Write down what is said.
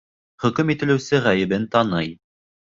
Хөкөм ителеүсе ғәйебен таный.